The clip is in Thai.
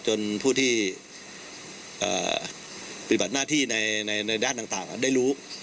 จนผู้ที่ปฏิบัติหน้าที่ในด้านต่างได้รู้